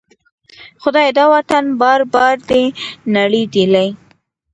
خدایه! دا وطن بار بار دی نړیدلی